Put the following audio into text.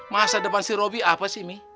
masa depan si robby apa sih